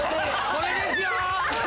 これですよ！